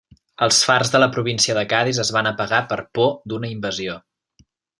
Els fars de la província de Cadis es van apagar per por d'una invasió.